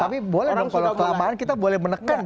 tapi kalau kelemahan kita boleh menekan dong